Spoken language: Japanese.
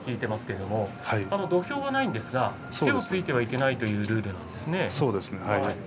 土俵はないんですが手をついてはいけないというルールですね。